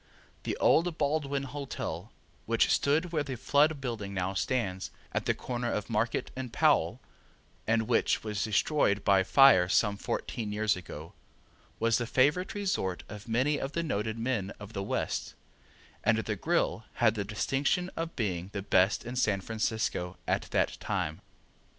The old Baldwin Hotel, which stood where the Flood building now stands, at the corner of Market and Powell and which was destroyed by fire some fourteen years ago, was the favorite resort of many of the noted men of the West, and the grill had the distinction of being the best in San Francisco at that time.